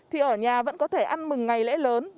thì ở nhà vẫn có thể ăn mừng ngày lễ lớn